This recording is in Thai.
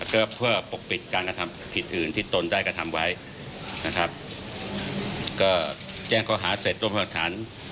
ก็เพื่อปกปิดการกระทำผิดอื่นที่ตนได้กระทำไว้นะครับก็แจ้งเขาหาเสร็จรวมหลักฐาน